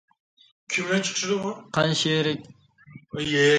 قان شېكىرىنى تۆۋەنلىتىش ئۆسمىگە قارشى تۇرۇش تەسىرىگىمۇ ئىگە.